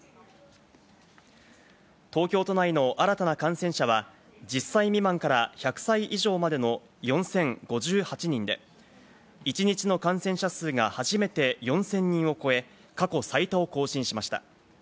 東京都内の新たな感染者は、１０歳未満から１００歳以上までの４０５８人で、１日の感染者数が初めて４０００人を超え、過去最多を更新しました。